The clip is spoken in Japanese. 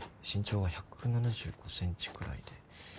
身長は１７５ｃｍくらいで。